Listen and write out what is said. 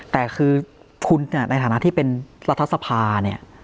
แต่คือคุณเนี่ยในฐานะที่เป็นรัฐสภาเนี่ย